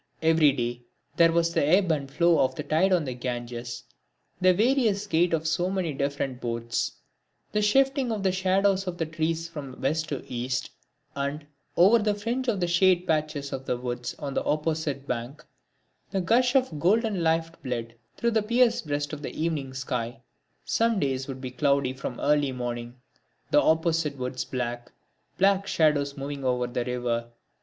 Every day there was the ebb and flow of the tide on the Ganges; the various gait of so many different boats; the shifting of the shadows of the trees from west to east; and, over the fringe of shade patches of the woods on the opposite bank, the gush of golden life blood through the pierced breast of the evening sky. Some days would be cloudy from early morning; the opposite woods black; black shadows moving over the river.